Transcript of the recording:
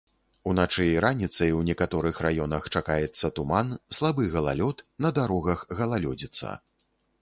Уначы і раніцай у некаторых раёнах чакаецца туман, слабы галалёд, на дарогах галалёдзіца.